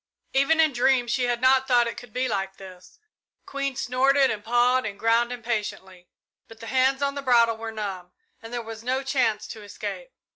Even in dreams she had not thought it could be like this. Queen snorted and pawed the ground impatiently, but the hands on the bridle were numb, and there was no chance to escape.